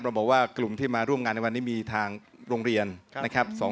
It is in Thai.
บอกว่ากลุ่มที่มาร่วมงานในวันนี้มีทางโรงเรียนนะครับ